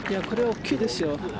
これ大きいですよ。